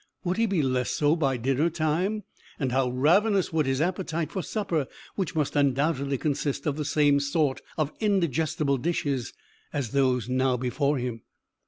Would he be less so by dinner time? And how ravenous would be his appetite for supper, which must undoubtedly consist of the same sort of indigestible dishes as those now before him!